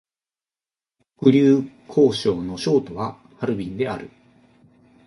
黒竜江省の省都はハルビンである